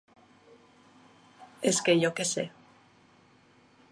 És que jo què sé.